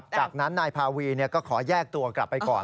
จากนั้นนายพาวีก็ขอแยกตัวกลับไปก่อน